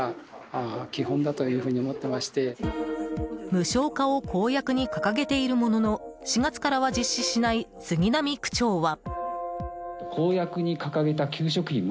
無償化を公約に掲げているものの４月からは実施しない杉並区長は。